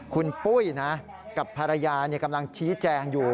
คุณปุ้ยนะกับภรรยากำลังชี้แจงอยู่